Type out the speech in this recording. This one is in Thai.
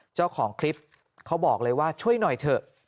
เจ้าของคลิปเขาบอกเลยว่าช่วยหน่อยเถอะ